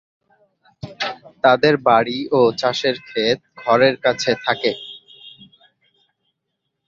তাদের বাড়ি এবং চাষের খেত ঘরের কাছে থাকে।